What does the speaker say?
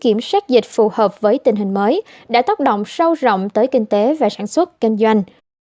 kiểm soát dịch phù hợp với tình hình mới đã tác động sâu rộng tới kinh tế và sản xuất kinh doanh